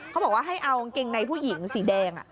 เขาบอกว่าให้เอากางเกงในผู้หญิงสีแดง